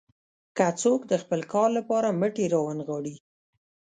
که څوک د خپل کار لپاره مټې راونه نغاړي.